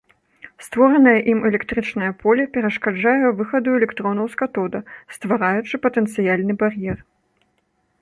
Створанае ім электрычнае поле перашкаджае выхаду электронаў з катода, ствараючы патэнцыяльны бар'ер.